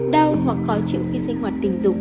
đau hoặc khó chịu khi sinh hoạt tình dục